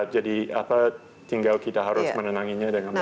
jadi apa tinggal kita harus menenanginya dengan baik